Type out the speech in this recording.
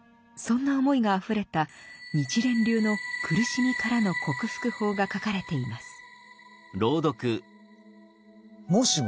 そんな思いがあふれた日蓮流の苦しみからの克服法が書かれています。